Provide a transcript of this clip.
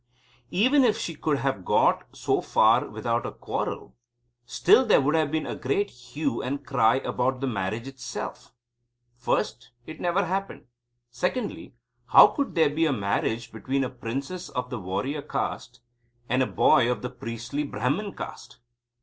Even if she could have got so far without a quarrel, still there would have been a great hue and cry about the marriage itself. First, it never happened. Secondly, how could there be a marriage between a princess of the Warrior Caste and a boy of the priestly Brahman Caste?